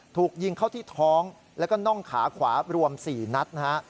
ถูกยิงเข้าที่ท้องแล้วก็น่องขาขวารวม๔นัดนะฮะ